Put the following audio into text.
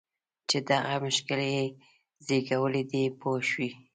چې دغه مشکل یې زېږولی دی پوه شوې!.